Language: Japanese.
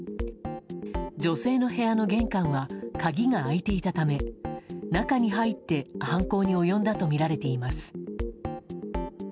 女性の部屋の玄関は鍵が開いていたため中に入って犯行に及んだとみられています。